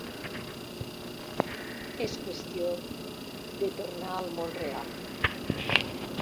És qüestió de tornar al món real.